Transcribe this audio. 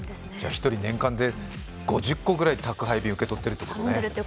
１人年間で５０個くらい宅配便を受け取ってるっていうことね。